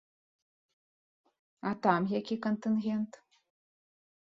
А там які кантынгент?